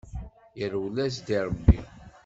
Yerwel-as-d i rebbi.